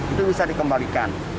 itu bisa dikembalikan